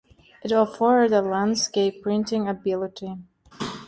It offered a landscape printing ability.